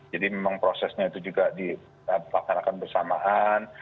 jadi memang prosesnya itu juga dilakukan akan bersamaan